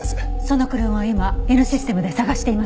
その車を今Ｎシステムで捜しています。